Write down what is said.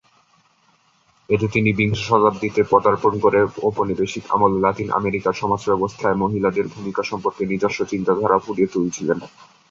এতে তিনি বিংশ শতাব্দীতে পদার্পণ করে ঔপনিবেশিক আমলে লাতিন আমেরিকার সমাজব্যবস্থায় মহিলাদের ভূমিকা সম্পর্কে নিজস্ব চিন্তাধারা ফুটিয়ে তুলেছিলেন।